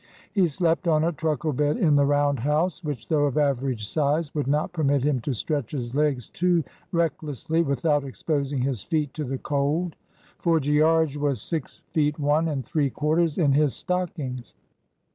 He slept on a truckle bed in the round house, which, though of average size, would not permit him to stretch his legs too recklessly without exposing his feet to the cold. For "Gearge" was six feet one and three quarters in his stockings.